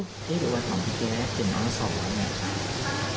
นี่เป็นวันของพี่แกะ๗นาที๒นาที